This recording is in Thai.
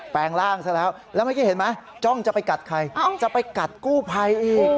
แปลงร่างและไม่เห็นมั้ยจะไปกัดคู่ภัย